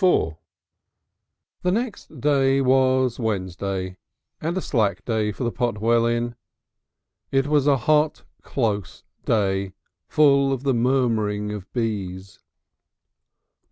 IX The next day was Wednesday and a slack day for the Potwell Inn. It was a hot, close day, full of the murmuring of bees.